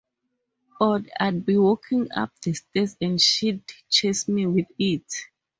Or I'd be walking up the stairs and she'd chase me with it.